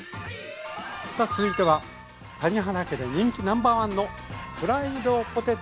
さあ続いては谷原家で人気ナンバーワンのフライドポテト。